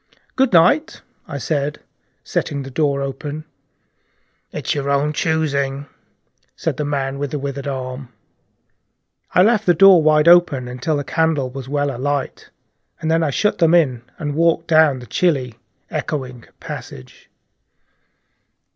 "Good night," I said, setting the door open. "It's your own choosing," said the man with the withered arm. I left the door wide open until the candle was well alight, and then I shut them in, and walked down the chilly, echoing passage.